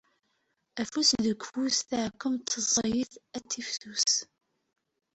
Afus deg ufus taɛkkemt ẓẓayen ad tifsus.